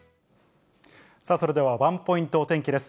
それではワンポイントお天気です。